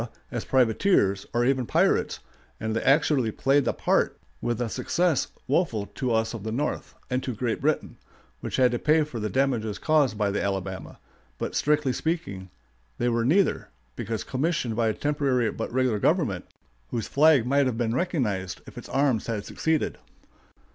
as privateers, or even pirates, and they actually played the part with a success woeful to us of the North, and to Great Britain, which had to pay for the damages caused by the Alabama; but, strictly speaking, they were neither, because commissioned by a temporary but regular government, whose flag might have been recognized if its arms had succeeded.